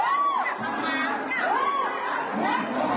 นั่นแหละ